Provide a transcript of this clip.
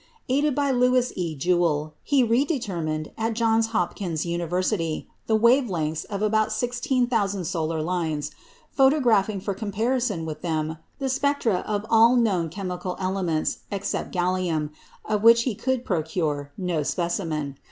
Aided by Lewis E. Jewell, he redetermined, at the Johns Hopkins University, the wave lengths of about 16,000 solar lines, photographing for comparison with them the spectra of all the known chemical elements except gallium, of which he could procure no specimen.